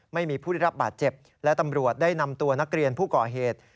ไม่มีผู้ได้รับบาดเจ็บและตำรวจได้นำตัวนักเรียนผู้ก่อเหตุ